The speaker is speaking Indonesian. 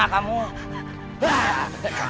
ya aku mau ke pasar cihidung